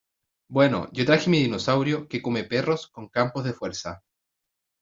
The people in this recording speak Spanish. Bueno, yo traje mi dinosaurio que come perros con campos de fuerza.